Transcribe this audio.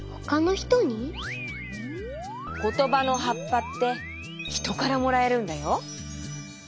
ことばのはっぱってひとからもらえるんだよ。